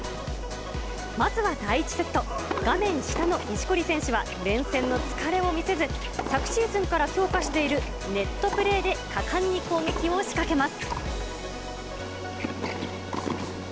まずは第１セット、画面下の錦織選手は、連戦の疲れを見せず、昨シーズンから強化しているネットプレーで果敢に攻撃を仕掛けます。